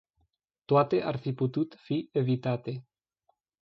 Toate ar fi putut fi evitate.